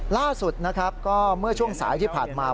ล่าสุดเมื่อช่วงสายที่ผ่านมา